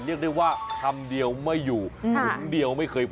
เรียกได้ว่าคำเดียวไม่อยู่ถุงเดียวไม่เคย